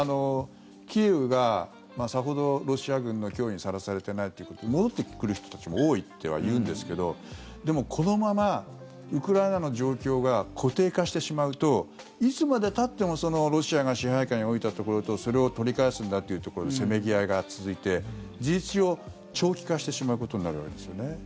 キーウがさほどロシア軍の脅威にさらされていないということで戻ってくる人たちも多いとはいうんですけどでも、このままウクライナの状況が固定化してしまうといつまでたってもロシアが支配下に置いたところとそれを取り返すんだというところのせめぎ合いが続いて事実上、長期化してしまうことになるわけですよね。